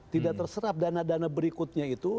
tidak terserap dana dana berikutnya itu